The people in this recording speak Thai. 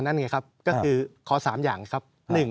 นั่นไงครับก็คือขอ๓อย่างครับ